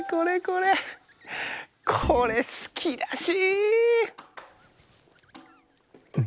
これすきだし！